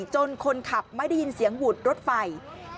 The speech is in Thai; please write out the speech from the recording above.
จนคนขับไม่ได้ยินเสียงหวุดรถไฟ